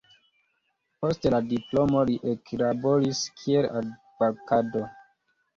Post la diplomo li eklaboris kiel advokato.